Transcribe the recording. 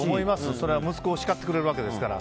それは息子を叱ってくれるわけですから。